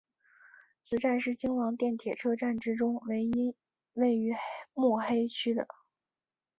此站是京王电铁车站之中唯一位于目黑区的。